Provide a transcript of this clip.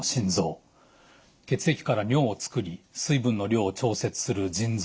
血液から尿を作り水分の量を調節する腎臓。